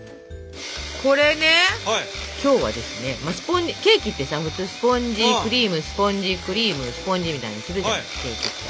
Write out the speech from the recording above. これね今日はですねケーキってさ普通スポンジクリームスポンジクリームスポンジみたいにするじゃないケーキって。